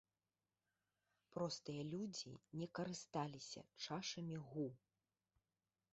Простыя людзі не карысталіся чашамі гу.